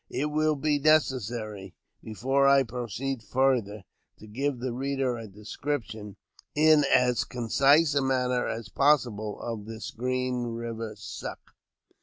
It will be necessary, before I proceed farther, to give the reader a description, in as concise a manner as possible, of this Green Eiver " Suck."